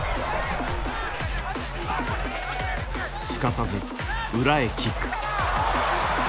すかさず裏へキック。